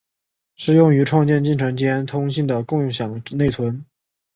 适用于创建进程间通信的共享内存。